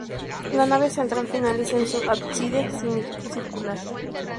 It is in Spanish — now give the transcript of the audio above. La nave central finaliza en un ábside semicircular.